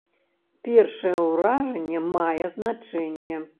Першае ўражанне мае значэнне.